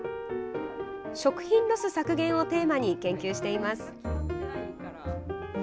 食品ロス削減をテーマに研究しています。